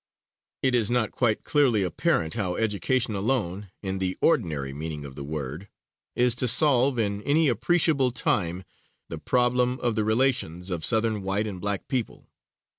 It is not quite clearly apparent how education alone, in the ordinary meaning of the word, is to solve, in any appreciable time, the problem of the relations of Southern white and black people.